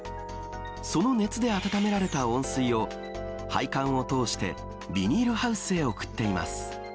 その熱で温められた温水を、配管を通して、ビニールハウスへ送っています。